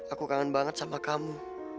aku kangen banget sama kamu